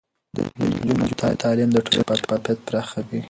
د نجونو تعليم د ټولنې شفافيت پراخوي.